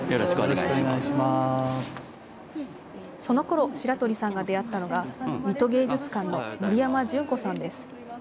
そのころ、白鳥さんが出会ったのが水戸芸術館の森山純子さんです。